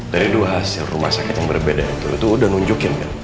dari dua hasil rumah sakit yang berbeda itu udah nunjukin kan